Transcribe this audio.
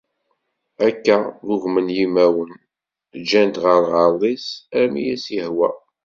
Akka, ggugmen yimawen, ǧǧan-t ɣer lɣerḍ-is, armi i as-yehwa.